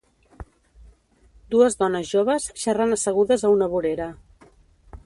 Dues dones joves xerren assegudes a una vorera